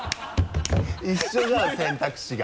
一緒じゃん選択肢が。